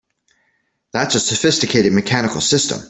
That's a sophisticated mechanical system!